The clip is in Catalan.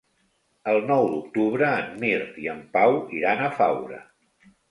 El nou d'octubre en Mirt i en Pau iran a Faura.